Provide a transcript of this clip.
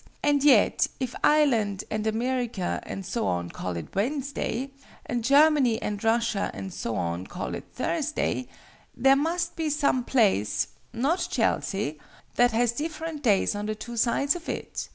And yet, if Ireland and America and so on call it Wednesday, and Germany and Russia and so on call it Thursday, there must be some place not Chelsea that has different days on the two sides of it.